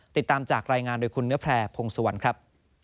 ติดตามจากรายงานโดยคุณเนื้อแพร่พงศวรรค์ครับ